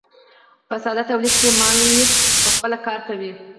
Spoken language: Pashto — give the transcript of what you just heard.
په ساده تولید کې مالک پخپله کار کوي.